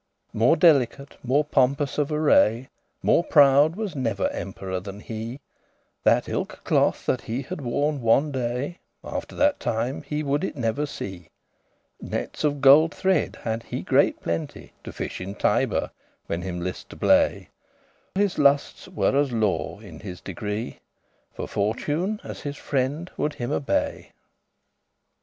More delicate, more pompous of array, More proud, was never emperor than he; That *ilke cloth* that he had worn one day, *same robe* After that time he would it never see; Nettes of gold thread had he great plenty, To fish in Tiber, when him list to play; His lustes* were as law, in his degree, *pleasures For Fortune as his friend would him obey.